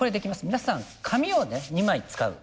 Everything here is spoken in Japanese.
皆さん紙をね２枚使う。